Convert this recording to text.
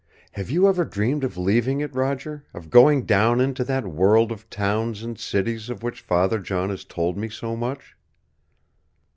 Have you ever dreamed of leaving it, Roger of going down into that world of towns and cities of which Father John has told me so much?"